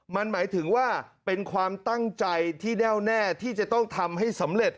มันหมายถึงว่าเป็นความตั้งใจที่แน่วแน่ที่จะต้องทำให้สำเร็จ